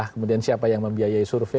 kemudian siapa yang membiayai survei